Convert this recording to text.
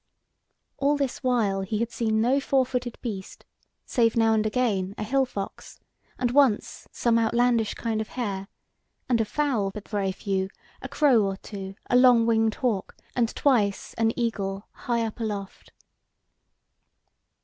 All this while he had seen no four footed beast, save now and again a hill fox, and once some outlandish kind of hare; and of fowl but very few: a crow or two, a long winged hawk, and twice an eagle high up aloft.